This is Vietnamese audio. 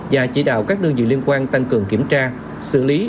và chỉ đạo các đơn vị liên quan tăng cường kiểm tra xử lý